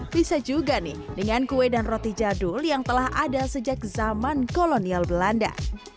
bisa juga nih dengan kue dan roti jadul yang telah ada sejak zaman kolonial belanda